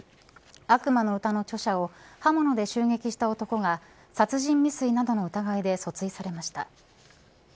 悪魔の詩の著者を刃物で襲撃した男が殺人未遂などの疑いで訴追されました。